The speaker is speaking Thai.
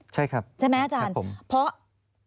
ใช่ครับใช่ไหมอาจารย์เพราะ